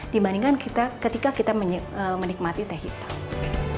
dibandingkan ketika kita menikmati teh hitam